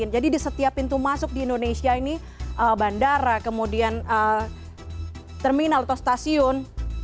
jadi di setiap pintu masuk di indonesia ini bandara kemudian terminal atau stasiun